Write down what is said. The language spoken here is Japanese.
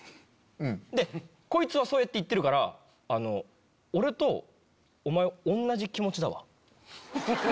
でこいつはそうやって言ってるから俺とお前同じ気持ちだわ。